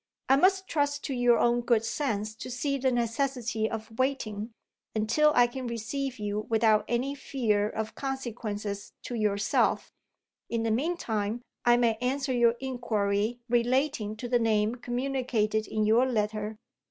I must trust to your own good sense to see the necessity of waiting, until I can receive you without any fear of consequences to yourself. In the meantime, I may answer your inquiry relating to the name communicated in your letter.